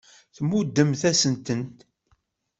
Tmuddemt-asen-ten.